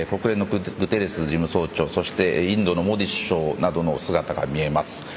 国連のグテーレス事務総長インドのモディ首相の姿も見えます。